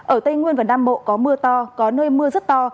ở tây nguyên và nam bộ có mưa to có nơi mưa rất to